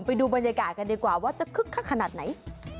ไปดูบรรยากาศกันกันก่อนว่าจะฆึ๊กขขนาดไหน